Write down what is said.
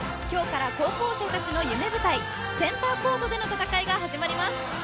今日から高校生たちの夢舞台センターコートでの戦いが始まります。